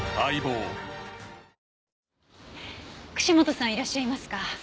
串本さんいらっしゃいますか？